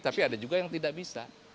tapi ada juga yang tidak bisa